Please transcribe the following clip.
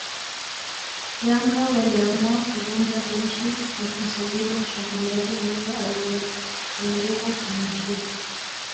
Yanga waliamua kuvunja benchi na kumsajili mshambuliaji huyo aliyejengeka kimichezo